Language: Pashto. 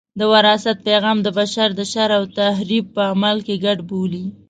د وراثت پیغام د بشر د شر او تخریب په عمل کې ګډ بولي.